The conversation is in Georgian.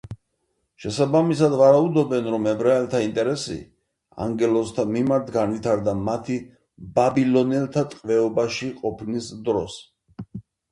შესაბამისად ვარაუდობენ, რომ ებრაელთა ინტერესი ანგელოზთა მიმართ განვითარდა მათი ბაბილონელთა ტყვეობაში ყოფნის დროს.